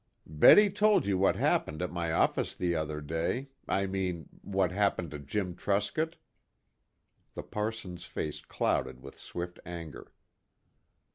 "Betty told you what happened at my office the other day I mean, what happened to Jim Truscott?" The parson's face clouded with swift anger.